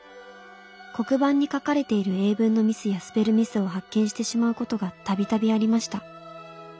黒板に書かれている英文のミスやスペルミスを発見してしまうことがたびたびありました。